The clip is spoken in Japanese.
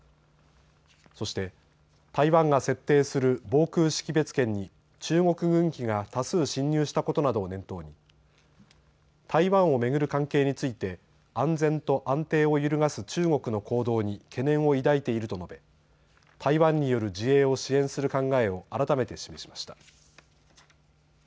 そして、台湾が設定する防空識別圏に中国軍機が多数進入したことなどを念頭に台湾を巡る関係について安全と安定を揺るがす中国の行動に懸念を抱いていると述べ台湾による自衛を支援する考えを改めて示しました。